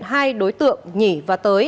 hai đối tượng nhỉ và tới